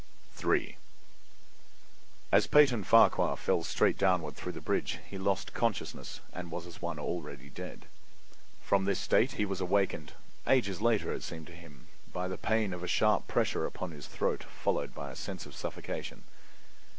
III As Peyton Farquhar fell straight downward through the bridge he lost consciousness and was as one already dead. From this state he was awakened—ages later, it seemed to him—by the pain of a sharp pressure upon his throat, followed by a sense of suffocation.